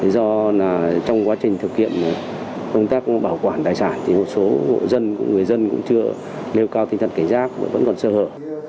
do trong quá trình thực hiện công tác bảo quản tài sản thì một số hộ dân người dân cũng chưa nêu cao tinh thần cảnh giác vẫn còn sơ hở